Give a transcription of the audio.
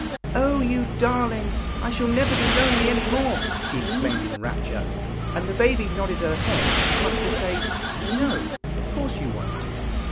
'Oh! you darling; I shall never be lonely any more!' she exclaimed in rapture; and the baby nodded her head as much as to say: 'No, of course you won't!'